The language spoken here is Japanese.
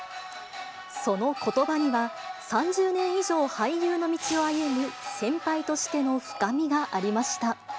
そのことばには、３０年以上俳優の道を歩む、先輩としての深みがありました。